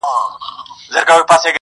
ستا تصوير خپله هينداره دى زما گراني ,